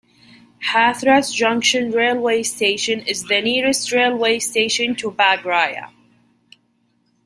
Hathras Junction Railway Station is the nearest railway station to Baghraya.